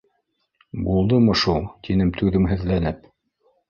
— Булдымы шул? — тинем, түҙемһеҙләнеп.